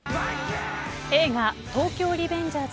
映画、東京リベンジャーズ